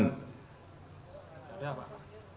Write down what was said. tidak ada pak